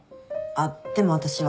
あっでも私は